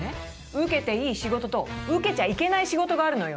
受けていい仕事と受けちゃいけない仕事があるのよ。